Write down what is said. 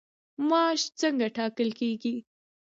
معاش څنګه ټاکل کیږي؟